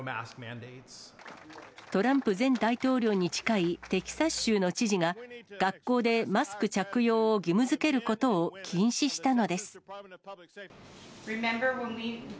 トランプ前大統領に近いテキサス州の知事が、学校でマスク着用を義務づけることを禁止したのです。